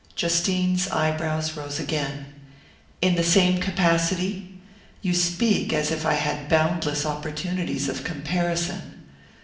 Justine's eye brows rose again. "In the same capacity? You speak as if I had boundless opportunities of comparison."